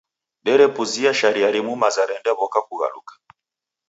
Derepuzia sharia rimu maza rendaw'oka kughaluka.